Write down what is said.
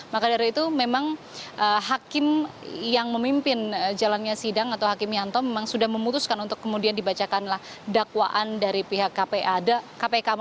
maka dari itu memang hakim yang memimpin jalannya sidang atau hakim yanto memang sudah memutuskan untuk kemudian dibacakanlah dakwaan dari pihak kpk